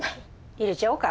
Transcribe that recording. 入れちゃおうか。